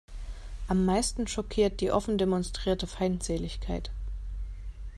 Am meisten schockiert die offen demonstrierte Feindseligkeit.